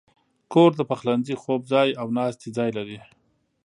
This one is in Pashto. کور د پخلنځي، خوب ځای، او ناستې ځای لري.